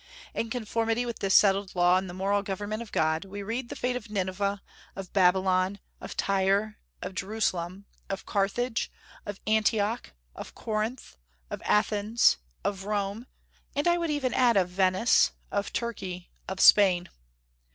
In conformity with this settled law in the moral government of God, we read the fate of Nineveh, of Babylon, of Tyre, of Jerusalem, of Carthage, of Antioch, of Corinth, of Athens, of Rome; and I would even add of Venice, of Turkey, of Spain.